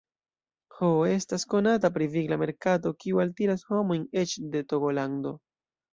Ho estas konata pri vigla merkato, kiu altiras homojn eĉ de Togolando.